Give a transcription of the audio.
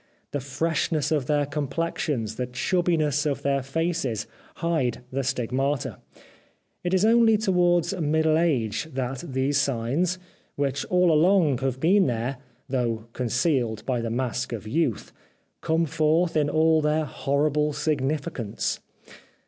The freshness of their com plexions, the chubbiness of their faces hide the stigmata. It is only towards middle age that these signs, which all along have been there, though concealed by the mask of youth, come forth in all their horrible significance.